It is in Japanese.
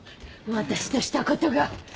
私としたことが。